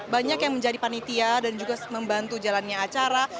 banyak yang menjadi panitia dan juga membantu jalannya acara